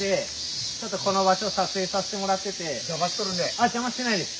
あっ邪魔してないです！